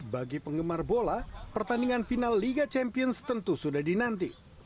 bagi penggemar bola pertandingan final liga champions tentu sudah dinanti